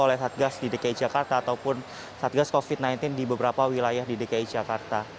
oleh satgas di dki jakarta ataupun satgas covid sembilan belas di beberapa wilayah di dki jakarta